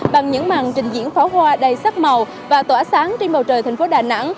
bằng những màn trình diễn pháo hoa đầy sắc màu và tỏa sáng trên bầu trời thành phố đà nẵng